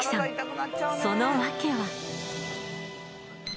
その訳は。